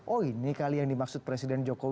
oh ini kali yang dimaksud presiden jokowi